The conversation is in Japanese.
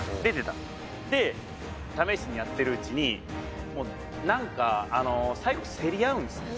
「で試しにやってるうちにもうなんか最後競り合うんですね